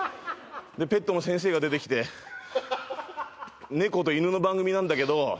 ペットの先生が出てきて猫と犬の番組なんだけど。